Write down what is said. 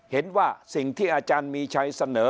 เห็นว่าสิ่งที่อาจารย์มีชัยเสนอ